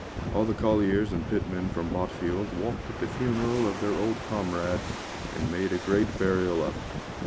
All the colliers and pitmen from Botfield walked with the funeral of their old comrade and made a great burial of it.